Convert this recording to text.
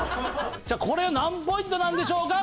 これは何ポイントなんでしょうか？